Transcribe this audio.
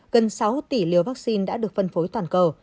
gần sáu tỷ liều vaccine đã được phân phối toàn cầu